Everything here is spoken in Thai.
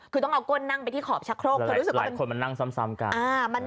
คือต้องเอาก้นนั่งไปที่ขอบชักโครกหลายคนมันนั่งซ้ำกัน